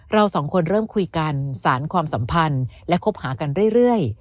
เราสองคนเริ่มคุยกันสารความสัมพันธ์และคบหากันเรื่อย